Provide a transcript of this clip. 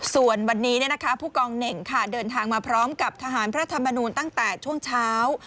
ส่วนวันนี้ผู้กองเหน่งค่ะเดินทางมาพร้อมกับทหารพระธรรมนูลตั้งแต่ช่วงเช้า